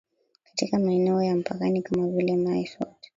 katika maeneo ya mpakani kama vile Mae Sot